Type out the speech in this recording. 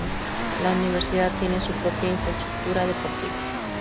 La universidad tiene su propia infraestructura deportiva.